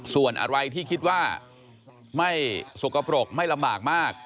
ส่วนอะไรที่คิดว่าไม่สกปรกไม่ลำบากมาก